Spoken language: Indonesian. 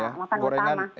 iya makan utama